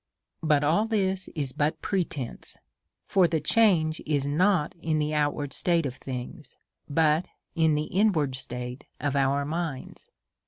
But all this is but pretence ; for the change is not in the outward state of things, but in the inward state of our minds.